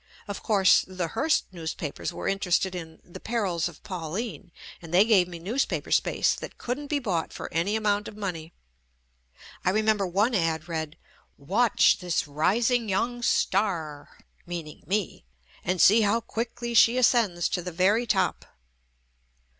Of course, the Hearst newspapers were interested in"ThePer ils of Pauline," and they gave me newspaper space that couldn't be bought for any amount of money. I remember one ad read " WATCH THIS RISING YOUNG STAR (meaning me) AND SEE HOW QUICKLY SHE ASCENDS TO THE VERY TOP."